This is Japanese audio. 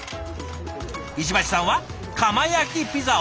石橋さんは窯焼きピザを。